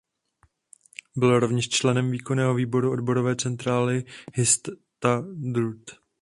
Byl rovněž členem výkonného výboru odborové centrály Histadrut.